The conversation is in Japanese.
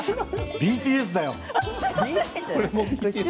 ＢＴＳだよ。